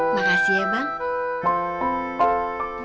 makasih ya bang